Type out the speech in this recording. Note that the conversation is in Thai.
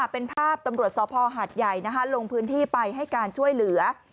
เป็นภาพตำรวจสภหาดใหญ่ลงพื้นที่ไปให้การช่วยเหลือ